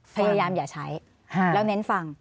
พยายามอย่าใช้แล้วเน้นฟัง